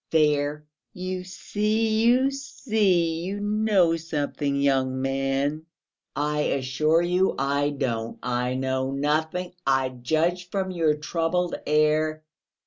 "There, you see, you see! You know something, young man?" "I assure you I don't, I know nothing ... I judged from your troubled air...."